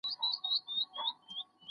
درملتونونو د قانون مطابق فعالیت کاوه.